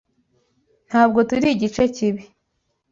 Ntabwo turi igice cyibi.